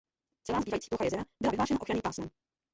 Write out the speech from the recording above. Celá zbývající plocha jezera byla vyhlášena ochranným pásmem.